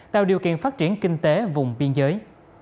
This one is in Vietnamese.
tạo điều kiện phát triển kinh tế vùng biên giới